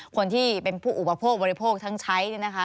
คนที่เป็นผู้อุปโภคบริโภคทั้งใช้